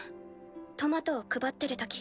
トマトを配ってるとき。